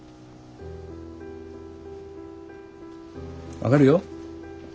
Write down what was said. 分かるよ。